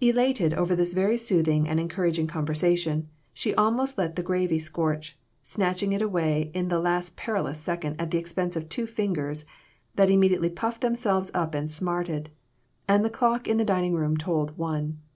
Elated over this very soothing and encouraging conversation, she almost let the gravy scorch, snatching it away in the last perilous second at the expense of two fingers, that immediately puffed themselves up and smarted, and the clock in the dining room tolled "one."